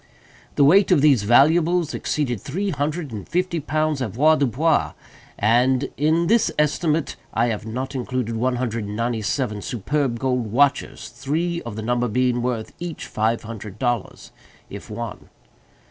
The weight of these valuables exceeded three hundred and fifty pounds avoirdupois; and in this estimate I have not included one hundred and ninety seven superb gold watches; three of the number being worth each five hundred dollars, if one.